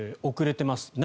遅れています。